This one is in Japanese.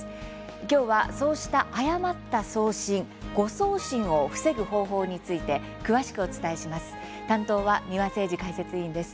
今日は、そうした誤った送信誤送信を防ぐ方法について詳しくお伝えします。